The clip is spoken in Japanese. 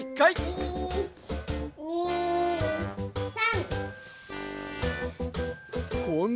１２３！